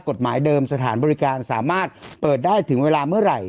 กฎหมายเดิมสถานบริการสามารถเปิดได้ถึงเวลาเมื่อไหร่